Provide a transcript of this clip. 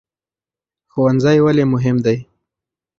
ښوونځی ولې مهم دی؟